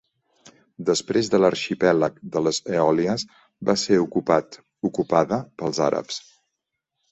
Després l'arxipèlag de les Eòlies va ser ocupat ocupada pels àrabs.